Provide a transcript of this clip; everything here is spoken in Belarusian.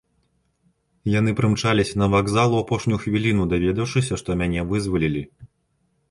Яны прымчаліся на вакзал, у апошнюю хвіліну даведаўшыся, што мяне вызвалілі.